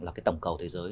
là cái tổng cầu thế giới